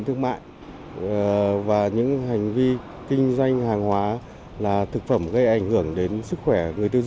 thương mại và những hành vi kinh doanh hàng hóa là thực phẩm gây ảnh hưởng đến sức khỏe người tiêu dùng